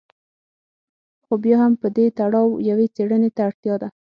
خو بیا هم په دې تړاو یوې څېړنې ته اړتیا ده.